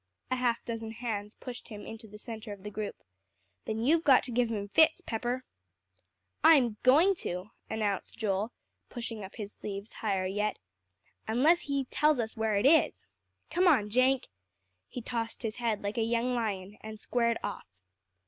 A half dozen hands pushed him into the centre of the group. "Then you've got to give him fits, Pepper." "I'm going to," announced Joel, pushing up his sleeves higher yet, "until he tells where it is. Come on, Jenk." He tossed his head like a young lion, and squared off.